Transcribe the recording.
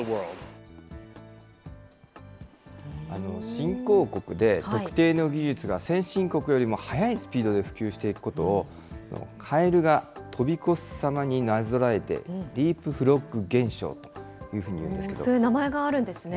新興国で、特定の技術が先進国よりも速いスピードで普及していくことを、カエルが飛び越すさまになぞらえて、リープフロッグ現象というふそういう名前があるんですね。